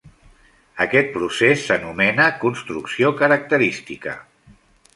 Aquest procés s'anomena construcció característica.